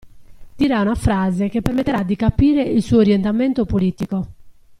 Dirà una frase che permetterà di capire il suo orientamento politico.